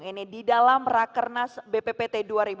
ini di dalam rakernas bppt dua ribu dua puluh